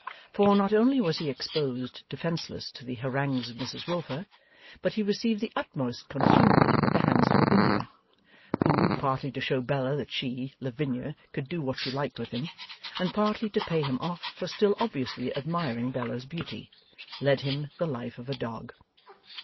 For, not only was he exposed defenceless to the harangues of Mrs Wilfer, but he received the utmost contumely at the hands of Lavinia; who, partly to show Bella that she (Lavinia) could do what she liked with him, and partly to pay him off for still obviously admiring Bella's beauty, led him the life of a dog.